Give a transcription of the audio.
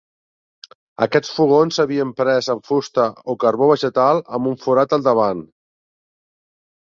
Aquests fogons havien pres amb fusta o carbó vegetal amb un forat al davant.